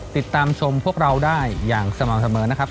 ติดตามชมพวกเราได้อย่างสม่ำเสมอนะครับ